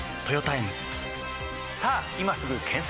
さぁ今すぐ検索！